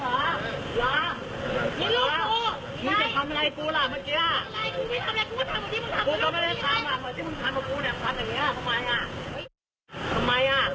อายุเต้นพร้อม